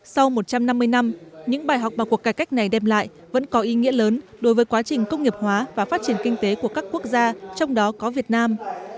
sau một trăm năm mươi năm những bài học mà cuộc cải cách này đem lại vẫn có ý nghĩa lớn đối với quá trình công nghiệp hóa và phát triển kinh tế của các quốc gia trong đó có việt nam